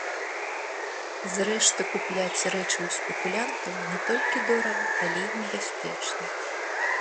Зрэшты, купляць рэчы ў спекулянтаў не толькі дорага, але і небяспечна.